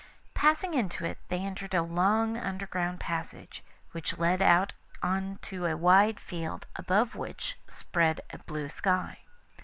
Passing into it, they entered a long underground passage, which led out on to a wide field, above which spread a blue sky.